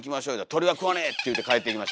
「鳥は食わねえ」って言うて帰っていきました。